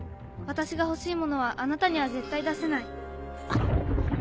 私が欲しいものはあなたには絶対出せない。